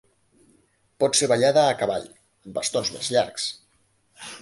Pot ser ballada a cavall, amb bastons més llargs.